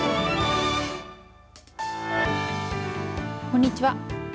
こんにちは。